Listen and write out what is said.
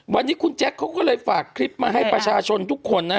วันนี้คุณแจ๊คเขาก็เลยฝากคลิปมาให้ประชาชนทุกคนนะ